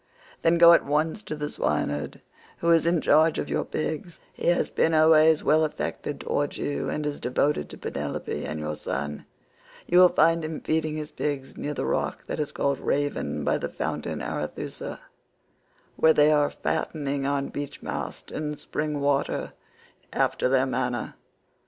Then go at once to the swineherd who is in charge of your pigs; he has been always well affected towards you, and is devoted to Penelope and your son; you will find him feeding his pigs near the rock that is called Raven124 by the fountain Arethusa, where they are fattening on beechmast and spring water after their manner.